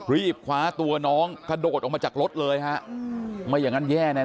รีบคว้าตัวน้องกระโดดออกมาจากรถเลยฮะไม่อย่างนั้นแย่แน่